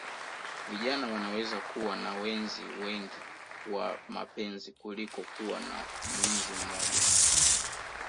Vijana wanaweza kuwa na wenzi wengi wa mapenzi kuliko kuwa na mwenzi mmoja